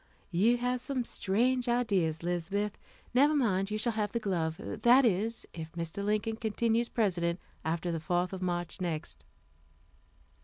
"You have some strange ideas, Lizabeth. Never mind, you shall have the glove; that is, if Mr. Lincoln continues President after the 4th of March next."